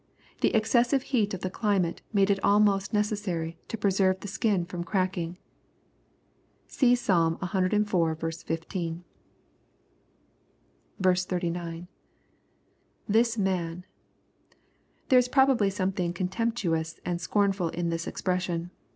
The excessive heat of the climate made it almost necessary, to preserve the skin from cracking. See Psalm civ. 15. 39. — [ITiis man.] There is probably something contemptuous and scornful in tiiis expression.